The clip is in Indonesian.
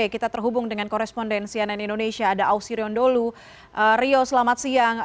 kita terhubung dengan korespondensi ann indonesia ada ausirion dholu rio selamat siang